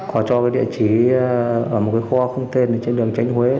họ cho cái địa chỉ ở một cái kho không tên trên đường tránh huế